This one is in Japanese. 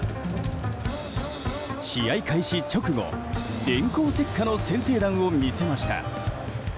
試合開始直後、電光石火の先制弾を見せました！